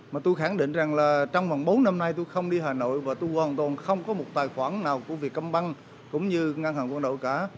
mà tôi khẳng định rằng là trong vòng bốn năm nay tôi không đi hà nội và tôi hoàn toàn không có một tài khoản nào của vietcomban cũng như ngân hàng quân đội cả